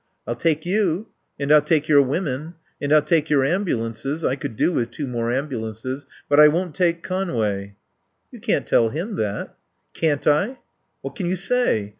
"I'll take you. And I'll take your women. And I'll take your ambulances. I could do with two more ambulances. But I won't take Conway." "You can't tell him that." "Can't I!" "What can you say?"